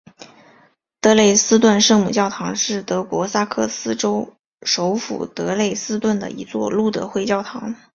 德累斯顿圣母教堂是德国萨克森州首府德累斯顿的一座路德会教堂。